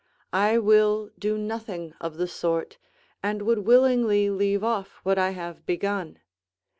I will do nothing of the sort, and would willingly leave off what I have begun.